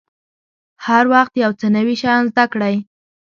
هر وخت یو څه نوي شیان زده کړئ.